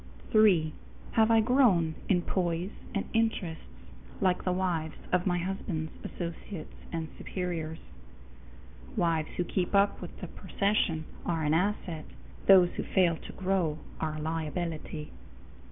3. Have I grown in poise and interests like the wives of my husband's associates and superiors? Wives who keep up with the procession are an asset; those who fail to grow are a liability.